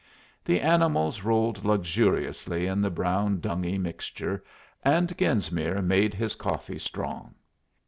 The animals rolled luxuriously in the brown, dungy mixture, and Genesmere made his coffee strong.